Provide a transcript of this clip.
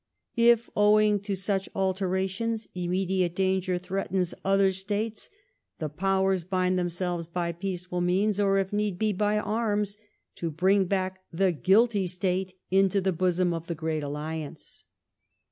... If, owing to such» alterations, immediate danger threatens other States, the Powei"s \ bind themselves, by peaceful means, or if need be by arms, to • bring back the guilty State into the bosom of the Great Alliance."